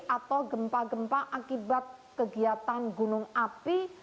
atau gempa gempa akibat kegiatan gunung api